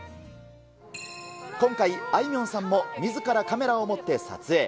今回、あいみょんさんもみずからカメラを持って撮影。